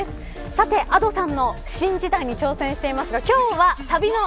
さてＡｄｏさんの新時代に挑戦していますが今日は、サビの＃